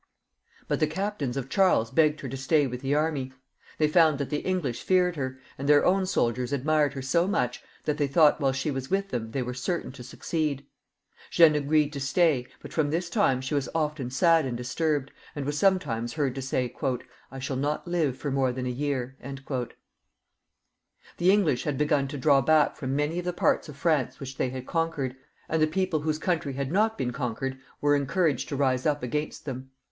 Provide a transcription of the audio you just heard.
But the captains of Charles begged her to stay with the army. They found that the English feared her, and their own soldiers admired her so much that they thought while she was with them, they were certain to succeed. Jeanne agreed to stay, but from this time she was often sad and disturbed, and was sometimes heard to say, "I shaU not live for more than a year." ' The English had begun to draw back from many of the parts of France which they had conquered, and the people whose country had not ' been conquered were encouraged to rise up against them.